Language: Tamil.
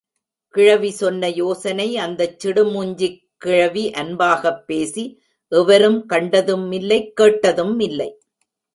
கிழவி சொன்ன யோசனை அந்தச் சிடுமூஞ்சிக் கிழவி அன்பாகப் பேசி எவரும் கண்டதும் இல்லை கேட்டதும் இல்லை.